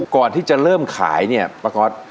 ก่อนที่จะเริ่มขายเนี่ยป้าก๊อต